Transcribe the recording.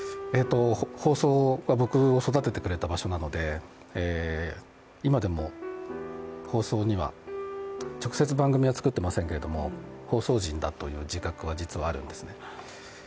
放送は僕を育ててくれた場所なので、今でも放送には、直接番組は作っていませんけど放送人だという自覚は実はあるんですね。